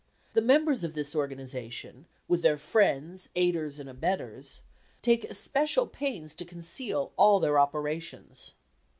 The members of this organization, with their friends, aiders, and abettors, take especial pains to conceal all their operations.